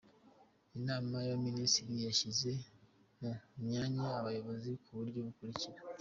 Inama y’Abaminisitiri yashyize mu myanya Abayobozi ku buryo bukurikira: